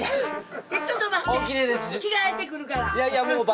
ちょっと待って着替えてくるから。